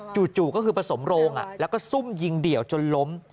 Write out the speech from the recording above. จู่ก็คือผสมโรงแล้วก็ซุ่มยิงเดี่ยวจนล้ม